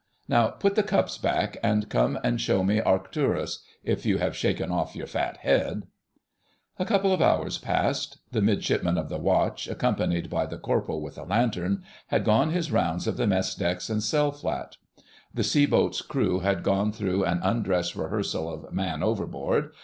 Now put the cups back, and come and show me Arcturus—if you have shaken off your fat head!" A couple of hours passed. The Midshipman of the Watch, accompanied by the Corporal with a lantern, had gone his rounds of the mess decks and cell flat. The seaboat's crew had gone through an undress rehearsal of "Man overboard!"